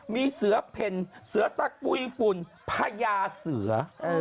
มีเสือเพ่นเสือตะกุยฝุ่นพญาเสือ